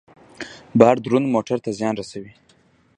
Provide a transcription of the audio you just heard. بار دروند موټر ته زیان رسوي.